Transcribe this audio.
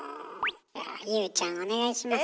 じゃあ優ちゃんお願いします。